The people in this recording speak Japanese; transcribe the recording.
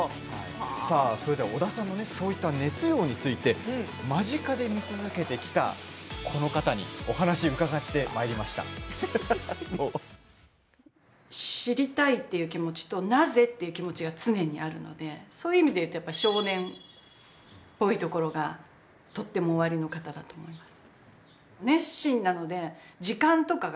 織田さんの熱量について間近で見続けてきたこの方に知りたいっていう気持ちとなぜという気持ちが常にあるのでそういう意味で言うと少年っぽいところがとってもおありの方だと思います。